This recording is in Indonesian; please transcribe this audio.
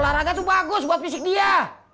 olahraga itu bagus buat fisik dia